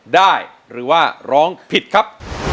ได้ครับ